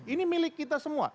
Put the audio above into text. ini milik kita semua